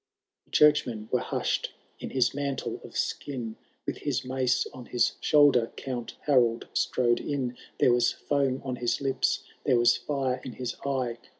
The churchmen were hush*d. — In his mantle of skin, With his mace on his shoulder. Count Harold strode in. There was foam on his lips, there was fire in his eye.